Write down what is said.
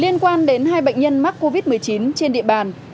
liên quan đến hai bệnh nhân mắc covid một mươi chín trên địa bàn